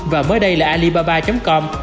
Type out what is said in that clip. và mới đây là alibaba com